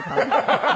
ハハハハ。